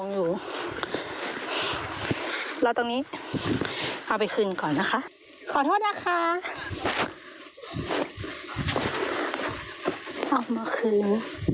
อยู่ละนี่ละคะห่อป่าเอามาขึ้น